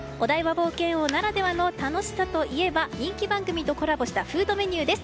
冒険王ならではの楽しさといえば人気番組とコラボしたフードメニューです。